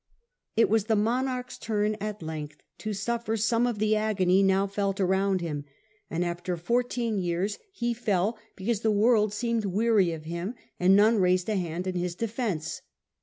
It was the monarch's turn at length to suffer some of the agony now felt around him ; and after fourteen 120 The Earlier Empire. a.d. 54 68. years he fell because the world seemed weary of him, The re It f none raised a hand in his defence.